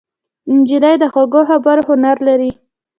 نجلۍ د خوږو خبرو هنر لري.